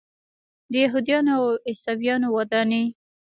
د یهودانو او عیسویانو ودانۍ.